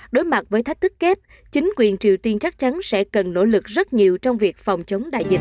đối mặt với thách thức kép chính quyền triều tiên chắc chắn sẽ cần nỗ lực rất nhiều trong việc phòng chống đại dịch